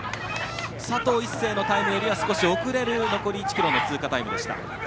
佐藤一世のタイムよりは少し遅れている残り１ｋｍの通過タイムでした。